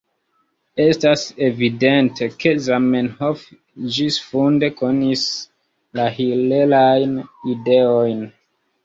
Estas evidente, ke Zamenhof ĝisfunde konis la hilelajn ideojn.